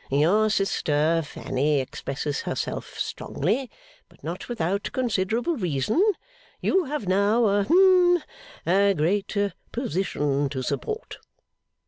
Your sister Fanny expresses herself strongly, but not without considerable reason. You have now a hum a great position to support.